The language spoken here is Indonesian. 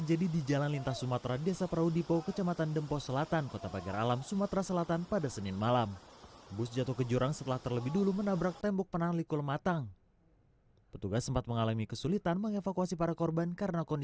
ada penyimpangan menyangkut masalah trayek